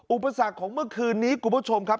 อุปสรรคของเมื่อคืนนี้คุณผู้ชมครับ